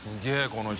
この人。